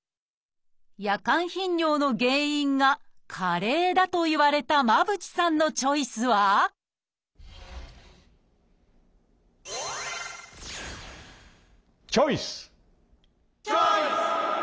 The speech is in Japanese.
夜間頻尿の原因が加齢だと言われた間渕さんのチョイスはチョイス！